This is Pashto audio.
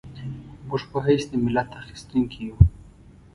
موږ په حیث د ملت اخیستونکي یو.